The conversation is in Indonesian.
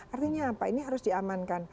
artinya apa ini harus diamankan